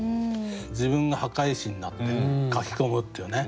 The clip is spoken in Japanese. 自分が破壊神になってかきこむっていうね。